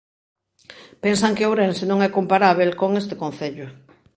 Pensan que Ourense non é comparábel con este concello.